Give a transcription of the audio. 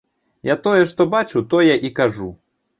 Я тое, што бачыў, тое і кажу.